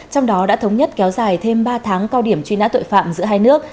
trong đó đã thống nhất kéo dài thêm ba tháng cao điểm truy nã tội phạm giữa hai nước